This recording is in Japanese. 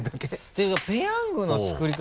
ていうか「ペヤング」の作り方